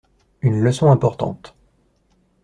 Une leçon importante.